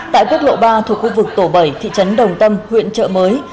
tại quốc lộ ba thuộc khu vực tổ bảy thị trấn đồng tâm huyện trợ mới